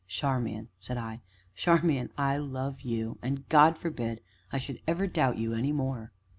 "Charmian!" said I, "Charmian I love you! and God forbid that I should ever doubt you any more."